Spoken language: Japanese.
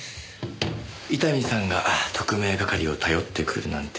伊丹さんが特命係を頼ってくるなんて。